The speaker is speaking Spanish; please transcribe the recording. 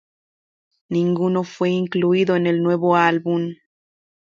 Ninguno fue incluido en el nuevo álbum.